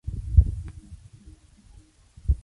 Estoy en una gran cantidad de meditar.